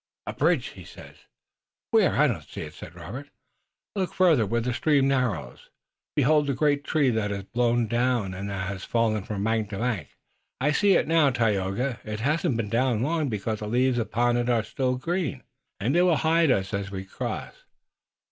"A bridge!" he said. "Where? I don't see it," said Robert. "Look farther where the stream narrows. Behold the great tree that has been blown down and that has fallen from bank to bank?" "I see it now, Tayoga. It hasn't been down long, because the leaves upon it are yet green." "And they will hide us as we cross.